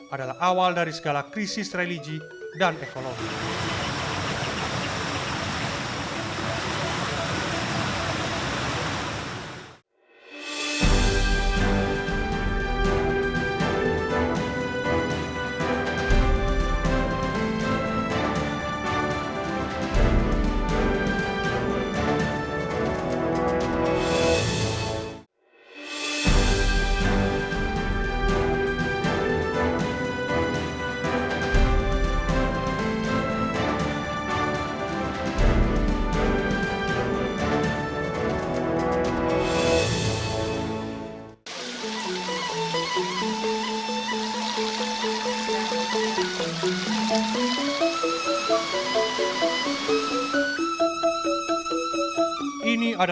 adalah awal dari segala krisis religi dan ekologi